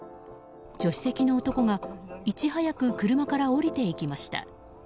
助手席の男がいち早く車から降りていきました。